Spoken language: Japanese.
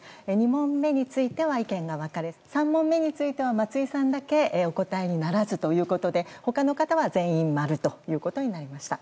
２問目については意見が分かれ３問目については松井さんだけお答えにならずということで他の方は全員○となりました。